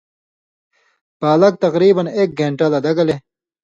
پالک تقریباً ایک گین٘ٹہ لدہ گلے